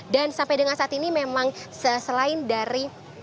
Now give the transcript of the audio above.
dan sampai dengan saat ini memang selain dari